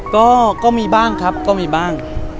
ก็มีบ้างครับก็มีบ้าง